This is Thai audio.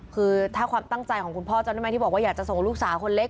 คือถ้าความตั้งใจของคุณพ่อเจ้าหน้าที่ที่บอกว่าอยากจะส่งลูกสาวคนเล็ก